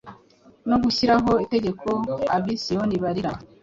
no gushyiriraho itegeko ab’i Siyoni barira,